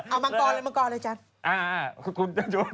เอามังกรเลยมังกรเลยจ้ะ